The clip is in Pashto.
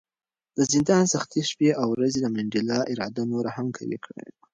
د زندان سختې شپې او ورځې د منډېلا اراده نوره هم قوي کړې وه.